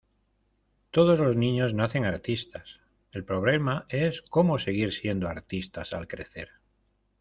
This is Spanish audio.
Todos los niños nacen artistas. El problema es cómo seguir siendo artistas al crecer.